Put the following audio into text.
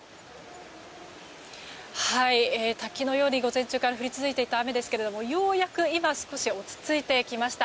滝のように午前中から降り続いていた雨ですけれどもようやく今少し落ち着いてきました。